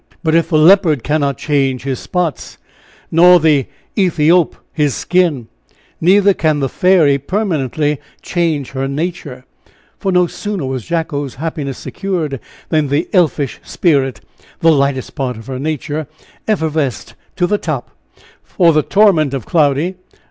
But if the leopard cannot change his spots, nor the Ethiope his skin neither can the fairy permanently change her nature; for no sooner was Jacko's happiness secured, than the elfish spirit, the lightest part of her nature, effervesced to the top for the torment of Cloudy.